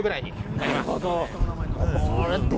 なるほど。